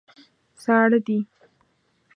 ساړه دي.